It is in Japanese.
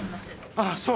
ああそう！